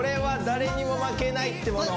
誰にも負けないもの